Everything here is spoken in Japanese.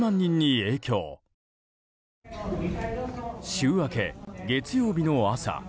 週明け、月曜日の朝。